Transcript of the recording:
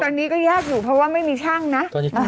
ตอนนี้ก็ยากอยู่เพราะว่าไม่มีช่างนะ